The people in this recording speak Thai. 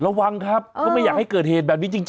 ระวังครับก็ไม่อยากให้เกิดเหตุแบบนี้จริง